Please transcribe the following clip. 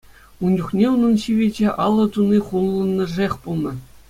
Ун чухне унӑн ҫивӗчӗ алӑ туни хулӑнӑшех пулнӑ.